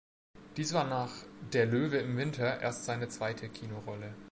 Dies war nach "Der Löwe im Winter" erst seine zweite Kinorolle.